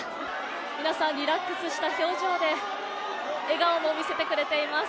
皆さんリラックスした表情で、笑顔も見せてくれています。